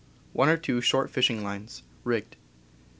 One or two short fishing lines, rigged.